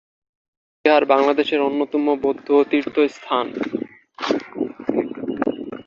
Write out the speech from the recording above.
রাজবন বিহার বাংলাদেশের অন্যতম বৌদ্ধ তীর্থ স্থান।